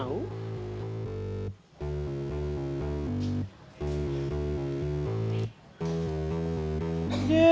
nah terus dijump return man